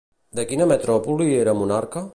De quina metròpoli era monarca?